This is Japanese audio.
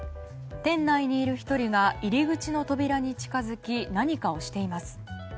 店内にいる１人が入り口の扉に近づき何かをしています。